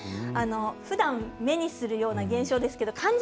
ふだん目にするような現象ですけど漢字